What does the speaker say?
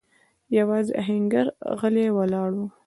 يواځې آهنګر غلی ولاړ و.